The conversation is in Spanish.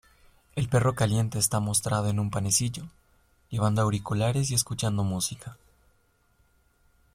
El perro caliente está mostrado en un panecillo, llevando auriculares y escuchando música.